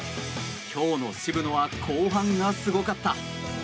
今日の渋野は後半がすごかった！